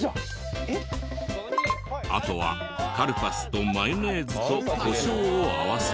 あとはカルパスとマヨネーズとコショウを合わせ。